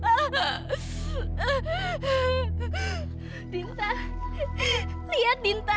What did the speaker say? dinta lihat dinta